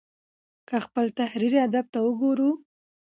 که خپل تحريري ادب ته وګورو